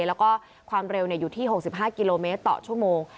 แล้วก็ความเร็วอยู่ที่๖๕กิโลเมตรต่อชั่วโมง